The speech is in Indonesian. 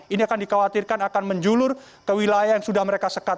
ini akan dikhawatirkan akan menjulur ke wilayah yang sudah mereka sekat